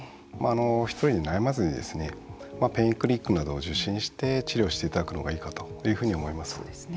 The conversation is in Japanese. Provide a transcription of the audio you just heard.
１人で悩まずにペインクリニックなどを受診して治療していただくのがいいかと思います。